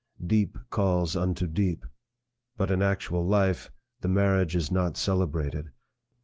Deep calls unto deep. But in actual life, the marriage is not celebrated.